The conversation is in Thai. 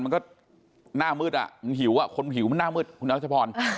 มันก็หน้ามืดอะมันหิวอะคนมันหิวมันน่ามืดคุณนักชะพร